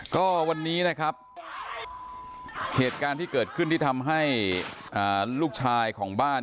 ก็วันนี้นะครับเหตุการณ์ที่เกิดขึ้นที่ทำให้ลูกชายของบ้าน